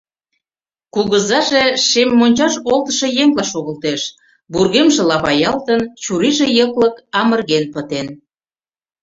Кугызаже шем мончаш олтышо еҥла шогылтеш: вургемже лапаялтын, чурийже йыклык амырген пытен.